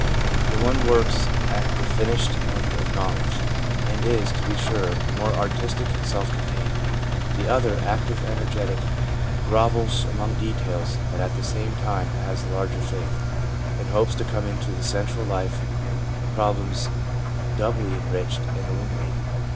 The one works at the finished end of knowledge, and is, to be sure, more artistic and self contained ; the other, active, energetic, grovels among details, but at the same time has the larger faith, and hopes to come into the central life problems doubly enriched and illuminated.